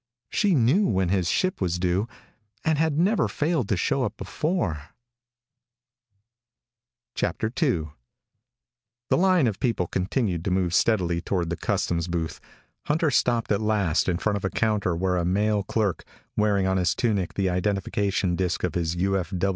She knew when his ship was due, and had never failed to show up before. II The line of people continued to move steadily toward the customs booth. Hunter stopped at last in front of a counter where a male clerk, wearing on his tunic the identification disc of his U.F.